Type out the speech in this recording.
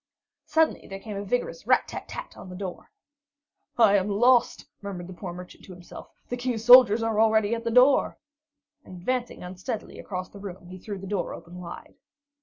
Suddenly there came a vigorous rat tat tat on the door. "I am lost," murmured the poor merchant to himself. "The King's soldiers are already at the door." And advancing unsteadily across the room, he threw the door open wide.